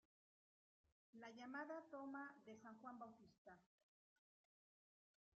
La llamada Toma de San Juan Bautista.